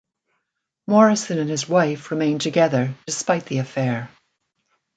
Morrison and his wife remained together despite the affair.